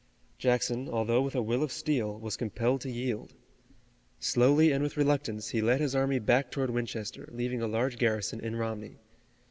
Jackson, although with a will of steel, was compelled to yield. Slowly and with reluctance, he led his army back toward Winchester, leaving a large garrison in Romney.